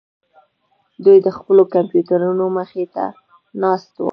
دوی د خپلو کمپیوټرونو مخې ته ناست وو